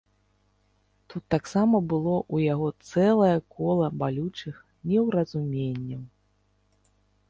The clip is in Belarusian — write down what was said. Тут таксама было ў яго цэлае кола балючых неўразуменняў.